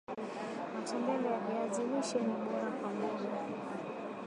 matembele ya viazi lishe ni bora kwa mboga